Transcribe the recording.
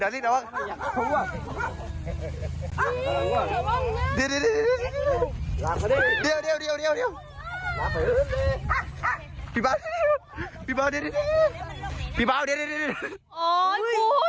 ปีบ้าด้วยปีบ้าด้วย